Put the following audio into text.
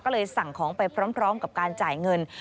ก็เลยสั่งของไปพร้อมกับการจ่ายเงิน